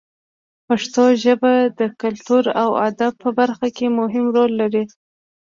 پښتو ژبه د کلتور او ادب په برخه کې مهم رول لري.